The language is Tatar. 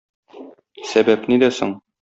Сәбәп нидә соң?